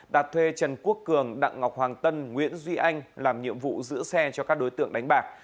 đạt thuê trần quốc cường đặng ngọc hoàng tân nguyễn duy anh làm nhiệm vụ giữ xe cho các đối tượng đánh bạc